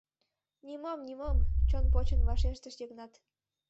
— Нимом-нимом! — чон почын вашештыш Йыгнат.